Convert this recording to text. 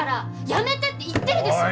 やめてって言ってるでしょ！